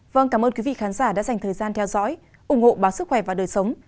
vâng cảm ơn quý vị khán giả đã dành thời gian theo dõi ủng hộ báo sức khỏe và đời sống